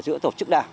đấy là những cái